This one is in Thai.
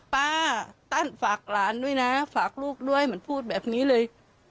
ป้าตั้นฝากหลานด้วยนะฝากลูกด้วยมันพูดแบบนี้เลย